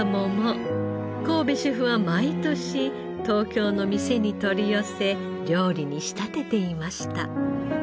神戸シェフは毎年東京の店に取り寄せ料理に仕立てていました。